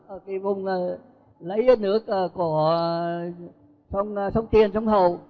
ở cái vùng lấy nước của sông tiền sông hầu